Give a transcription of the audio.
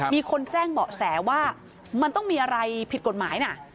มีคนแจ้งเบาะแสว่ามันต้องมีอะไรผิดกฎหมายนะ